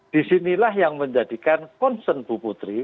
disinilah yang menjadikan concern bu putri